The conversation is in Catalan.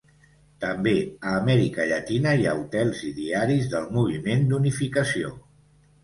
També a Amèrica Llatina hi ha hotels i diaris del Moviment d'Unificació.